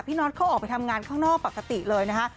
น็อตเขาออกไปทำงานข้างนอกปกติเลยนะคะ